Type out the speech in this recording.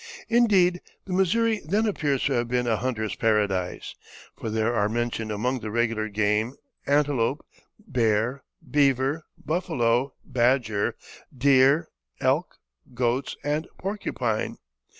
Indeed, the Missouri then appears to have been a hunter's paradise, for there are mentioned among the regular game antelope, bear, beaver, buffalo, badger, deer, elk, goats, and porcupine.